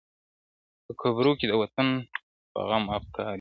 په قبرو کي د وطن په غم افګار یو-